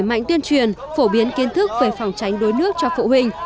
việc đẩy mạnh tuyên truyền phổ biến kiến thức về phòng tránh đối nước cho phụ huynh